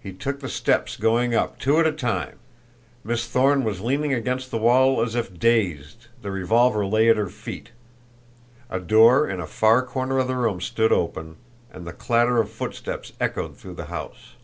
He took the steps going up, two at a time. Miss Thorne was leaning against the wall as if dazed; the revolver lay at her feet. A door in a far corner of the room stood open; and the clatter of footsteps echoed through the house.